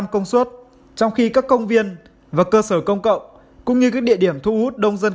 công suất trong khi các công viên và cơ sở công cộng cũng như các địa điểm thu hút đông dân